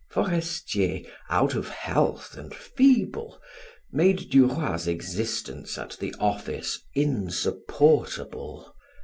Forestier, out of health and feeble, made Duroy's existence at the office insupportable.